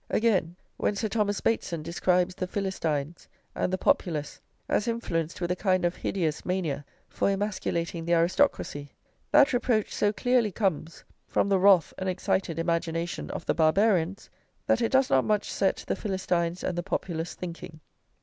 Again, when Sir Thomas Bateson describes the Philistines and the Populace as influenced with a kind of hideous mania for emasculating the aristocracy, that reproach so clearly comes from the wrath and excited imagination of the Barbarians, that it does not much set the Philistines and the Populace thinking.